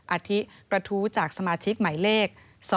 อาทิตย์กระทู้จากสมาชิกหมายเลข๒๙๓๐๕๘๒